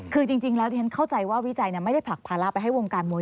คือจริงแล้วที่ฉันเข้าใจว่าวิจัยไม่ได้ผลักภาระไปให้วงการมวย